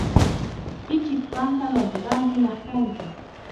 Ichik pantalunta rintinaq kanki.